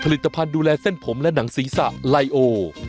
ผลิตภัณฑ์ดูแลเส้นผมและหนังศีรษะไลโอ